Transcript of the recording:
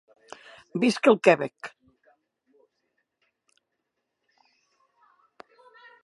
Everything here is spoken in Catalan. Visca el Quebec!